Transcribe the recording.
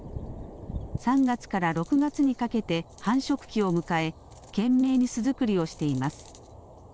３月から６月にかけて繁殖期を迎え懸命に巣作りをしています。